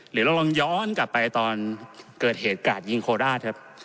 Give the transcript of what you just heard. เราลองย้อนกลับไปตอนเกิดเหตุกาดยิงโคราชครับ